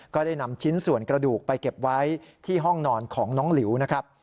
ก็ได้นำชิ้นส่วนกระดูกไปเก็บไว้ที่ห้องนอนของน้องหลิวนะครับ